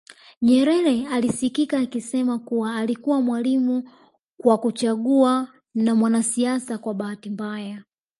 Nyerere alisikika akisema kuwa alikuwa mwalimu kwa kuchagua na mwanasiasa kwa bahati mbaya